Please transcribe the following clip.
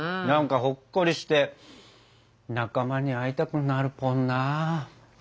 なんかほっこりして仲間に会いたくなるポンな。